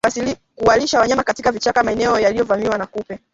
Kuwalisha wanyama katika vichaka maeneo yaliyovamiwa na kupe